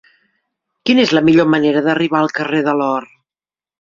Quina és la millor manera d'arribar al carrer de l'Or?